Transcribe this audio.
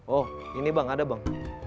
oh ini bang ada bang